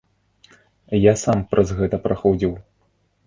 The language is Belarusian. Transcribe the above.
Я сам праз гэта праходзіў.